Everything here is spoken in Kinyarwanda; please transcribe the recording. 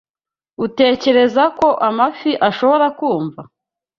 Utekereza ko amafi ashobora kumva?